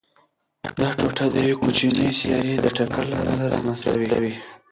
دا ټوټه د یوې کوچنۍ سیارې د ټکر له امله رامنځته شوې.